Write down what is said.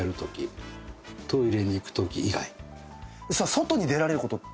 外に出られることって？